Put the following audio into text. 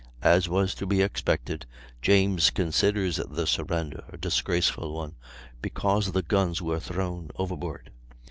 As was to be expected James considers the surrender a disgraceful one, because the guns were thrown overboard.